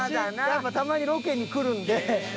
やっぱたまにロケに来るんで。